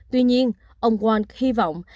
tuy nhiên ông wong hy vọng